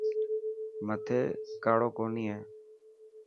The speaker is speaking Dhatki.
مٿي ڪاڙو ڪوني هي.